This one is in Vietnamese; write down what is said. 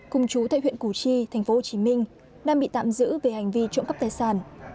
cùng chú tại huyện củ chi thành phố hồ chí minh đang bị tạm giữ về hành vi trộm cắp tài sản